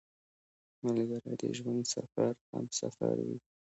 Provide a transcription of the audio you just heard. ملګری د ژوند سفر همسفر وي